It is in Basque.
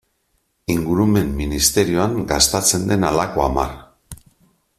Ingurumen ministerioan gastatzen den halako hamar.